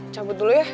cabut dulu ya